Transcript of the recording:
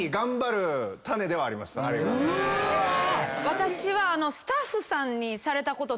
私は。